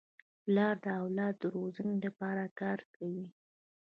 پلار د اولاد د روزني لپاره کار کوي.